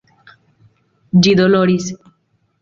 Ĝi doloris.